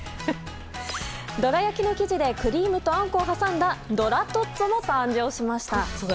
どら焼きの生地でクリームとあんこを挟んだどらトッツォも誕生しました。